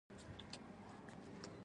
زده کړونکي والدينو سره اوسېږي.